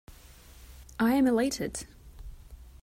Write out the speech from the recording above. I am elated.